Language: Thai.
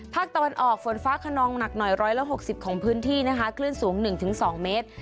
ภาคตะวันออกฝนฟ้าขนองหนักหน่อยร้อยละหกสิบของพื้นที่นะคะคลื่นสูงหนึ่งถึงสองเมตร